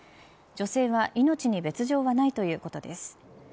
女性は命に別条はないということです。